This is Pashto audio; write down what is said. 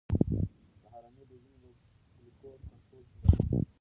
سهارنۍ د وینې ګلوکوز کنټرول کې مرسته کوي.